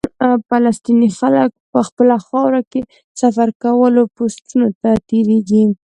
فلسطیني خلک په خپله خاوره کې سفر لپاره پوسټونو ته تېرېږي.